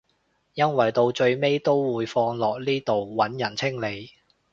因為到最尾都會放落呢度揾人清理